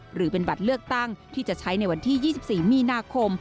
หรือเป็นบัตรเลือกตั้งที่จะใช้ในวันที่๒๔มีนาคม